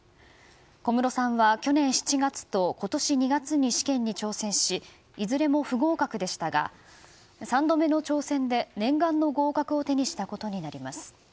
小室さんは去年７月と今年２月に試験に挑戦しいずれも不合格でしたが３度目の挑戦で念願の合格を手にしたことになります。